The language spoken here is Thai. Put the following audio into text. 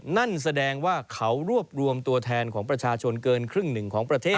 นั่นแสดงว่าเขารวบรวมตัวแทนของประชาชนเกินครึ่งหนึ่งของประเทศ